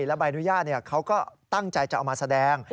และใบอนุญาตเขาก็ตั้งใจจะเอามาแสดง